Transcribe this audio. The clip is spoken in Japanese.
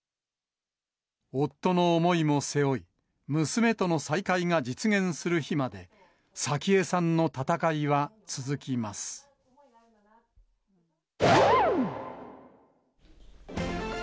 夫の思いも背負い、娘との再会が実現する日まで、早紀江さんの戦いは続きます。